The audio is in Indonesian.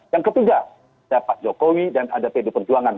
dan ketiga ada pak jokowi dan ada t d perjuangan